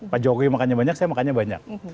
pak jokowi makannya banyak saya makannya banyak